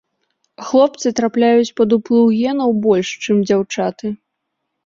Хлопцы трапляюць пад уплыў генаў больш, чым дзяўчаты.